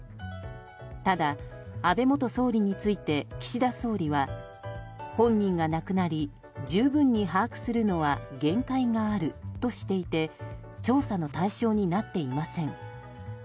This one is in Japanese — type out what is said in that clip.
ただ、安倍元総理について岸田総理は本人が亡くなり十分に把握するのは限界があるとしていて調査の対象になっていません。